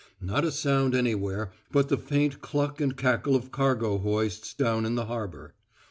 Not a sound anywhere but the faint cluck and cackle of cargo hoists down in the harbor.